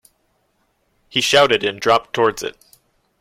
He shouted and dropped towards it.